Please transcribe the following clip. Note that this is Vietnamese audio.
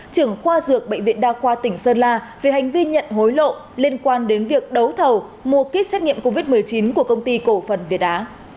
trưởng khoa dược bệnh viện đa khoa tỉnh sơn la vì hành vi nhận hối lộ liên quan đến việc đấu thầu mua kích xét nghiệm covid một mươi chín của công ty cổ phần việt á